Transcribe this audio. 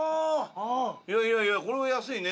いやいやいやこれは安いね。